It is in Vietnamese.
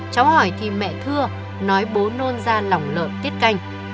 cháu hỏi thì mẹ thưa nói bố nôn ra lòng lợn tiết canh